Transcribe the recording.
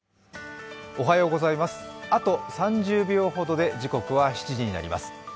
あと３０秒ほどで時刻は７時になります。